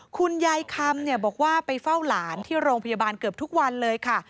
คุณยายคำบอกว่าไปเฝ้าหลานที่โรงพยาบาลเกือบทุกวันเลยค่ะ